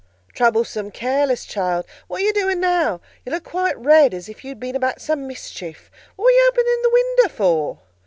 "Troublesome, careless child! and what are you doing now? You look quite red, as if you had been about some mischief: what were you opening the window for?"